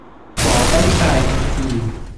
หมอต้องตายทันที